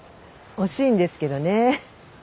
惜しいんですけどね。